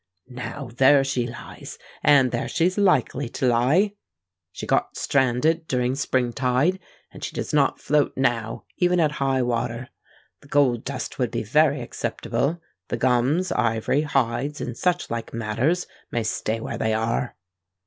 Now, there she lies—and there she's likely to lie. She got stranded during spring tide; and she does not float now even at high water. The gold dust would be very acceptable; the gums, ivory, hides, and such like matters, may stay where they are."